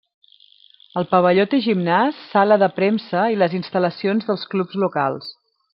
El pavelló té gimnàs, sala de premsa i les instal·lacions dels clubs locals.